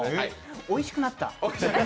おいしくなった。